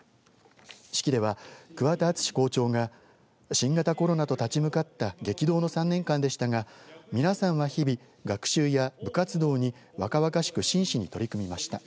式では、桑田厚司校長が新型コロナと立ち向かった激動の３年間でしたが皆さんは日々、学習や部活動に若々しく真摯に取り組みました。